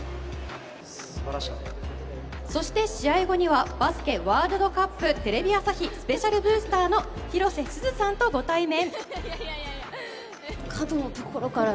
そして、試合後にはバスケワールドカップテレビ朝日スペシャルブースターの広瀬すずさんとご対面。